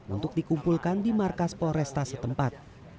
untuk dikumpulkan di markas polresta setempat